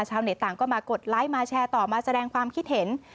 ต่างก็มากดไลค์มาแชร์ต่อมาแสดงความคิดเห็น